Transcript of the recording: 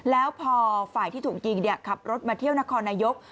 แล้วพอฝ่ายที่ถูกยิงขับรถมาเที่ยวนครนายก